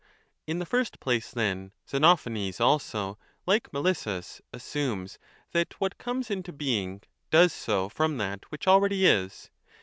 IN the first place, then, Xenophanes also, like Melissus, 4 assumes that what comes into being does so from that which already is.